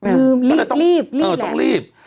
ลืมรีบต้องรีบ